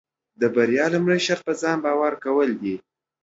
د بریا لومړی شرط پۀ ځان باور کول دي.